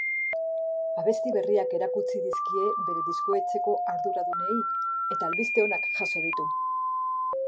Abesti berriak erakutsi dizkie bere diskoetxeko arduradunei eta albiste onak jaso ditu.